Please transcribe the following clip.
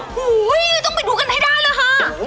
โอ้โหต้องไปดูกันให้ได้แล้วค่ะ